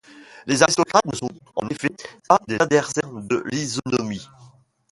Les aristocrates ne sont en effet pas des adversaires de l’isonomie.